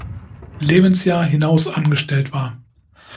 Lebensjahr hinaus angestellt war.